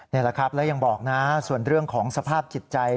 นี่แหละครับแล้วยังบอกนะส่วนเรื่องของสภาพจิตใจ